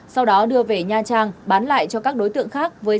sau đó đưa về nha trang bán lại cho các đối tượng khác